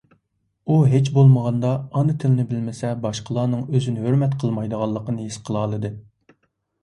ئۇ ھېچ بولمىغاندا، ئانا تىلنى بىلمىسە باشقىلارنىڭ ئۆزىنى ھۆرمەت قىلمايدىغانلىقىنى ھېس قىلالىدى.